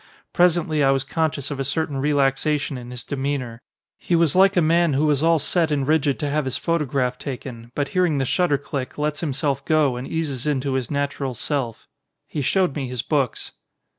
Pres ently I was conscious of a certain relaxation in his demeanour. He was like a man who was all set and rigid to have his photograph taken, but 150 THE PHILOSOPHER hearing the shutter click lets himself go and eases into his natural self. He showed me his books.